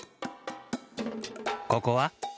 ここは？